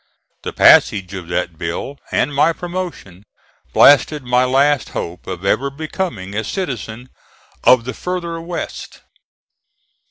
The passage of that bill, and my promotion, blasted my last hope of ever becoming a citizen of the further West.